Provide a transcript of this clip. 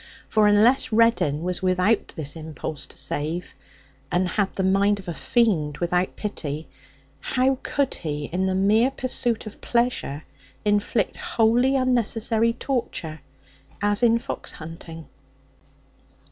For unless Reddin was without this impulse to save, and had the mind of a fiend without pity, how could he in the mere pursuit of pleasure inflict wholly unnecessary torture, as in fox hunting?